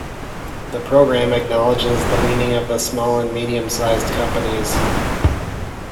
The programme acknowledges the meaning of the small and medium-sized companies.